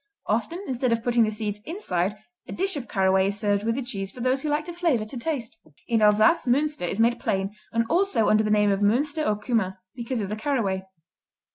Often, instead of putting the seeds inside, a dish of caraway is served with the cheese for those who like to flavor to taste. In Alsace, Münster is made plain and also under the name of Münster au Cumin because of the caraway.